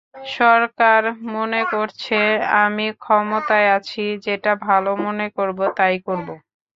সরকার মনে করছে, আমি ক্ষমতায় আছি, যেটা ভালো মনে করব তাই করব।